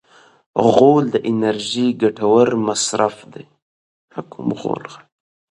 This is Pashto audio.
غول د انرژۍ ګټور مصرف دی.